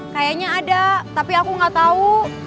kayaknya ada tapi aku nggak tahu